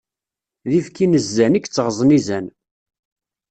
D ibki n zzan i yettɣeẓẓen izan.